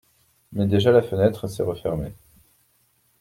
Mais déjà la fenêtre s’est refermée.